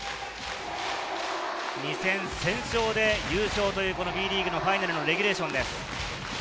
２戦先勝で優勝というＢリーグファイナルのレギュレーションです。